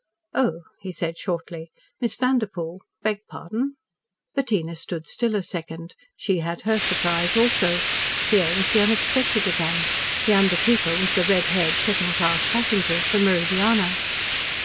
"Oh!" he said shortly. "Miss Vanderpoel! Beg pardon." Bettina stood still a second. She had her surprise also. Here was the unexpected again. The under keeper was the red haired second class passenger of the Meridiana.